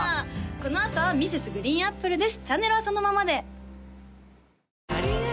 このあとはＭｒｓ．ＧＲＥＥＮＡＰＰＬＥです